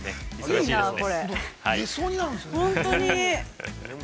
◆寝そうになるんですよね。